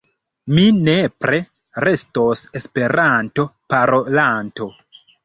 Mi nepre restos Esperanto-parolanto.